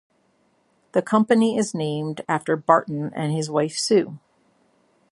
The company is named after Barton and his wife Sue.